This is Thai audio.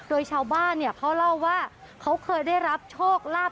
โดยชาวบ้านเนี่ยเขาเล่าว่าเขาเคยได้รับโชคลาภ